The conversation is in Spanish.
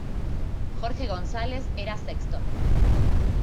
Jorge González era sexto.